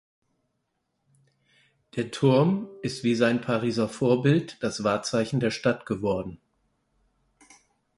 Der Turm ist wie sein Pariser Vorbild das Wahrzeichen der Stadt geworden.